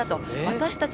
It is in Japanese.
私たち